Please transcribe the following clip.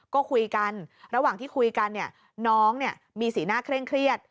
ก็คุยกันระหว่างที่คุยกันเนี่ยน้องมีสีหน้าเคร่งเครียด